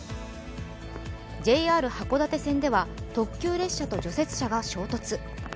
ＪＲ函館線では特急列車と除雪車が衝突。